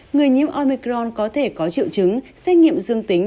người nhiễm omicron có thể có triệu chứng xét nghiệm dương tính